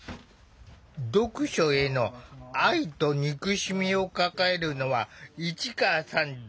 読書への愛と憎しみを抱えるのは市川さんだけじゃない。